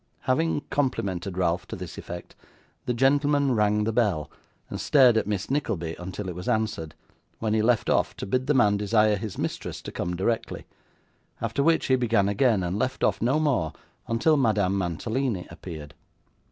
Having complimented Ralph to this effect, the gentleman rang the bell, and stared at Miss Nickleby until it was answered, when he left off to bid the man desire his mistress to come directly; after which, he began again, and left off no more until Madame Mantalini appeared.